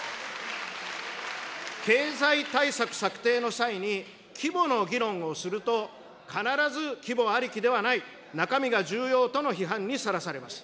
経済対策策定の際に、規模の議論をすると、必ず規模ありきではない、中身が重要との批判にさらされます。